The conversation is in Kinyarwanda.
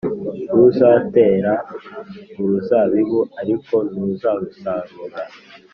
uzatera uruzabibu ariko ntuzarusarura